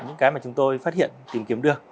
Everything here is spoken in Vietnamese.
những cái mà chúng tôi phát hiện tìm kiếm được